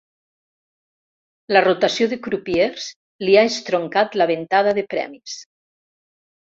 La rotació de crupiers li ha estroncat la ventada de premis.